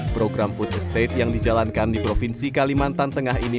program food estate yang dijalankan di provinsi kalimantan tengah ini